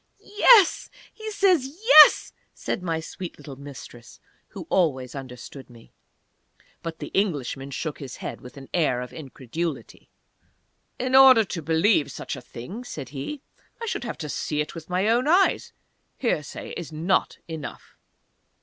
"Yes! He says yes!" said my sweet Mistress, who always understood me. But the Englishman shook his head, with an air of incredulity. "In order to believe such a thing," said he, "I should have to see it with my own eyes hearsay is not enough."